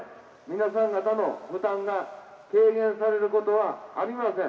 皆さん方の負担が軽減されることはありません。